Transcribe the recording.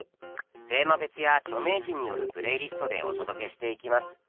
テーマ別や著名人によるプレイリストでお届けしていきます。